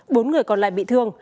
bốn người còn lại bị thương